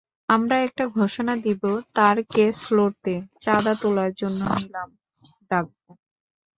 আমরা একটা ঘোষণা দেবো, তার কেস লড়তে চাঁদা তোলার জন্য নিলাম ডাকবো।